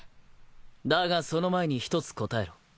だがその前に一つ答えろ。